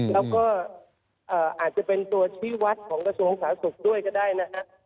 แล้วก็อาจจะเป็นตัวชี้วัดของกระทรวงสาธารณสุขด้วยก็ได้นะฮะ